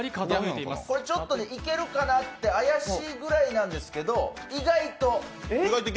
これ、いけるかなって、怪しいくらいなんですけど意外と。